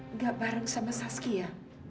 nggak bareng sama saskia